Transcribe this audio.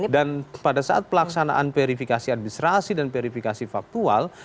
dan pada saat pelaksanaan verifikasi administrasi dan verifikasi faktual